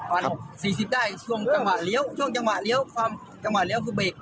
วัน๔๐ได้ช่วงจังหวะเลี้ยวความจังหวะเลี้ยวคือเบรก